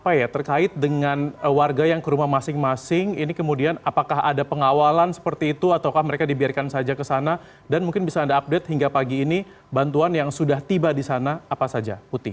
apa ya terkait dengan warga yang ke rumah masing masing ini kemudian apakah ada pengawalan seperti itu ataukah mereka dibiarkan saja ke sana dan mungkin bisa anda update hingga pagi ini bantuan yang sudah tiba di sana apa saja putih